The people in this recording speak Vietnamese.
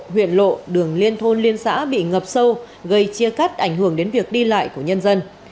huyện lộ đường liên thôn liên xã bị ngập sâu gây chia cắt ảnh hưởng đến việc đi lại của nhân dân